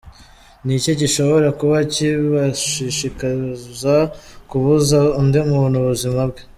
Ni iki gishobora kuba kibashishikaza kubuza undi muntu ubuzima bwe?